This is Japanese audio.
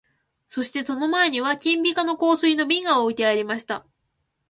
そして戸の前には金ピカの香水の瓶が置いてありました